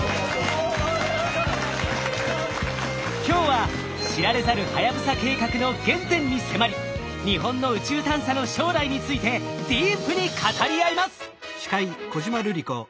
今日は知られざるはやぶさ計画の原点に迫り日本の宇宙探査の将来についてディープに語り合います！